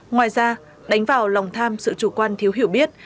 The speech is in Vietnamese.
ngoài ra đánh vào lòng tham sự chủ quan thiếu hiểu biết